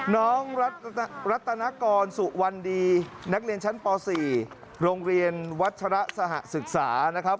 น้องรัตนกรสุวรรณดีนักเรียนชั้นป๔โรงเรียนวัชระสหศึกษานะครับ